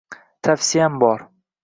Tavsiyam bor.